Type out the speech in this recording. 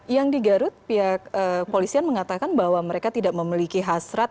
yang di garut pihak polisian mengatakan bahwa mereka tidak memiliki hasrat